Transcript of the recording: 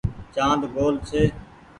چآند گول ڇي ۔